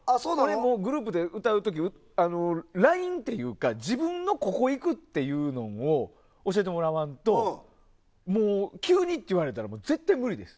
グループで歌う時ラインというか自分のここ行くっていうのを教えてもらわないと急には絶対に無理です。